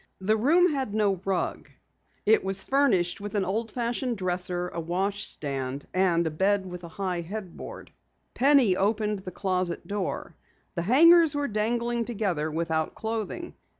The room had no rug. It was furnished with an old fashioned dresser, a wash stand and a bed with a high headboard. Penny opened the closet door. The hangers were dangling together, without clothing.